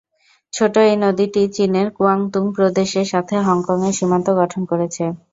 ছোট এই নদীটি চীনের কুয়াংতুং প্রদেশের সাথে হংকংয়ের সীমান্ত গঠন করেছে।